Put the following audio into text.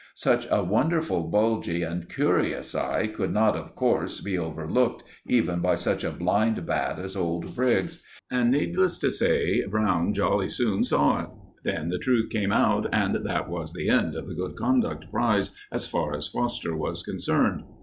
Such a wonderful, bulgy and curious eye could not of course be overlooked even by such a blind bat as old Briggs; and, needless to say, Browne jolly soon saw it. Then the truth came out, and that was the end of the Good Conduct Prize as far as Foster was concerned.